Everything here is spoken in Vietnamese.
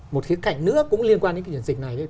một cái cảnh nữa cũng liên quan đến cái chuyển dịch này